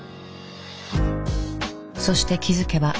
そして気付けば３０代。